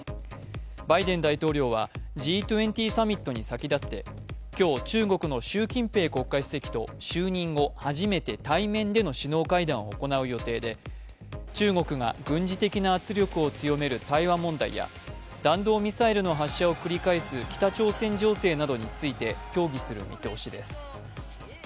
バイデン大統領はＧ２０サミットに先立って今日中国の習近平国家主席を就任後初めて、対面での首脳会談を行う予定で中国が軍事的な圧力を強める台湾問題や弾道ミサイルの発射を繰り返す北朝鮮について協議する見通しです。